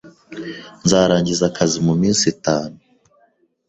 Nzarangiza akazi muminsi itanu